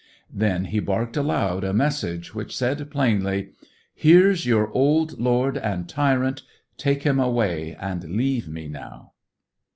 Then he barked aloud, a message which said plainly "Here is your old lord and tyrant! Take him away, and leave me now!"